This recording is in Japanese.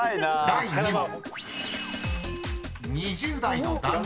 ［第２問］